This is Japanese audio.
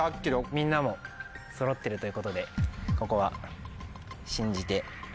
みんなもそろってるということでここは信じて。